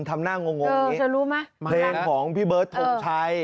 ทำหน้างงนี้เพลงของพี่เบิร์ตถมชัย